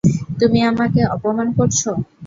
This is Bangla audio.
তুমি আমাকে অপমান করছো।